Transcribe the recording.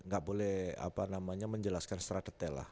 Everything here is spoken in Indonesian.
nggak boleh apa namanya menjelaskan secara detail lah